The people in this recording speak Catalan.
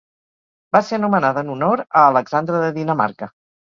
Va ser anomenada en honor a Alexandra de Dinamarca.